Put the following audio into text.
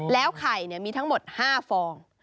ไข่มีทั้งหมด๕ฟอง